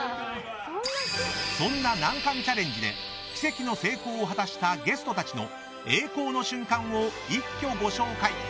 そんな難関チャレンジで奇跡の成功を果たしたゲストたちの栄光の瞬間を一挙ご紹介。